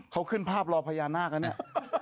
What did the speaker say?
เขาขึ้นภาพรอพญานาคแล้วเนี่ย